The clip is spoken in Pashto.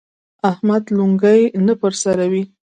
احمد لونګۍ نه پر سروي.